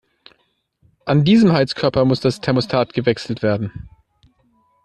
An diesem Heizkörper muss das Thermostat gewechselt werden.